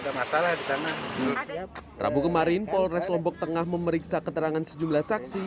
ada masalah di sana rabu kemarin polres lombok tengah memeriksa keterangan sejumlah saksi